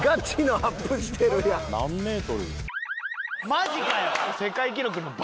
マジかよ！